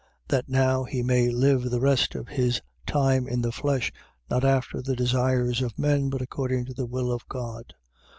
That now he may live the rest of his time in the flesh, not after the desires of men but according to the will of God.